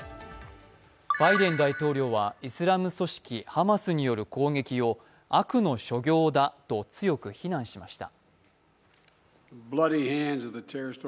バイデン大統領はイスラム組織ハマスによる攻撃を悪の所業だと強く非難しました。